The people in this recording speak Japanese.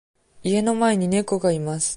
家の前に猫がいます。